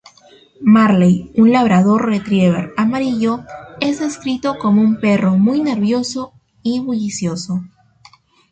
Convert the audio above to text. Marley, un labrador retriever amarillo, es descrito como un perro muy nervioso, y bullicioso.